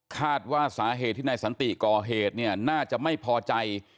คาดว่าสาเหตุที่นายสันติก่อเหตุเนี่ยน่าจะไม่พอใจ